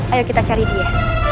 ayo kita cari dia